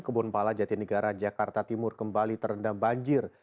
kebun pala jatinegara jakarta timur kembali terendam banjir